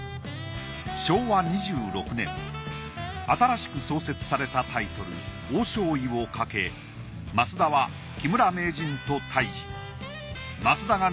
昭和２６年新しく創設されたタイトル王将位をかけ升田は木村名人と対峙。